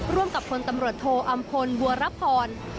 ร่วมกับคนตำรวจโทอำพลบัวรพร